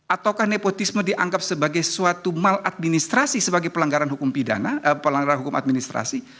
atau nepotisme dianggap sebagai suatu maladministrasi sebagai pelanggaran hukum administrasi